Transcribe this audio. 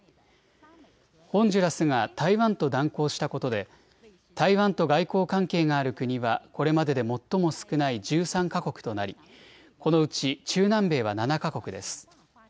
ホンジュラスが台湾と断交したことで台湾と外交関係がある国はこれまでで最も少ない１３か国となりこのうち中南米は７か国です。